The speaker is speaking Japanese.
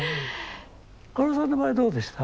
かおるさんの場合どうでした？